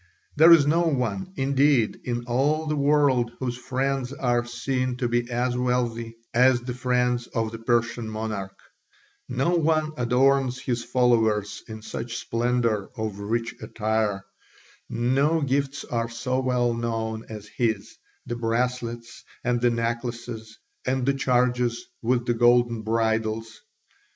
There is no one, indeed, in all the world whose friends are seen to be as wealthy as the friends of the Persian monarch: no one adorns his followers in such splendour of rich attire, no gifts are so well known as his, the bracelets, and the necklaces, and the chargers with the golden bridles.